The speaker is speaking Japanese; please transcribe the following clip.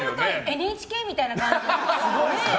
ＮＨＫみたいな感じだね。